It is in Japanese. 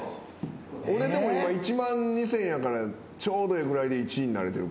俺でも今１万２，０００やからちょうどええぐらいで１位になれてるか。